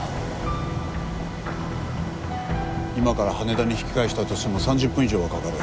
今から羽田に引き返したとしても３０分以上はかかる。